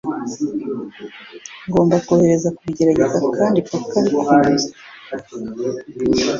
Ngomba kongera kubigerageza kandi paka bikunze.